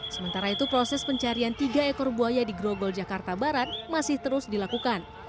sementara itu proses pencarian tiga ekor buaya di grogol jakarta barat masih terus dilakukan